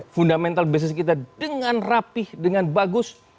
fundamental bisnis kita dengan rapih dengan bagus